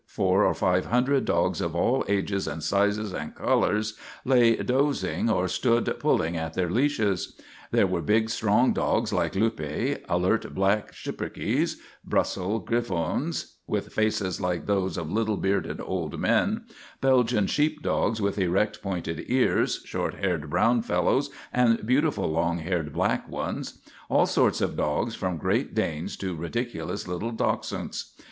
Four or five hundred dogs of all ages and sizes and colours lay dozing or stood pulling at their leashes. There were big, strong dogs like Luppe; alert black Schipperkes; Brussels Griffons, with faces like those of little bearded old men; Belgian sheep dogs with erect, pointed ears, short haired brown fellows and beautiful long haired black ones; all sorts of dogs from Great Danes to ridiculous little Dachshunds.